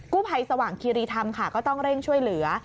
กู้ภัยสว่างคีรีธรรมค่ะก็ต้องเร่งช่วยเหลือ